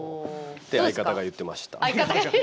って相方が言ってました。